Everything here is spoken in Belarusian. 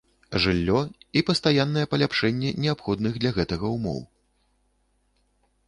Жыллё і пастаяннае паляпшэнне неабходных для гэтага ўмоў.